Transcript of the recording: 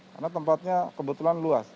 karena tempatnya kebetulan luas